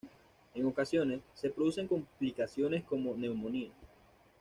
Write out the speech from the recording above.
En ocasiones se producen complicaciones como neumonía.